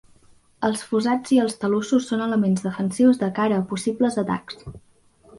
Els fossats i els talussos són elements defensius de cara a possibles atacs.